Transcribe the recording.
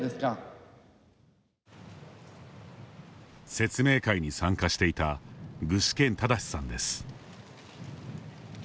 説明会に参加していた具志堅正さんです。